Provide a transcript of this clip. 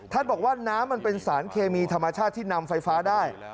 บอกว่าน้ำมันเป็นสารเคมีธรรมชาติที่นำไฟฟ้าได้